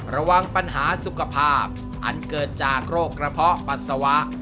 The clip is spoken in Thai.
ระวังปัญหาสุขภาพอันเกิดจากโรคกระเพาะปัสสาวะ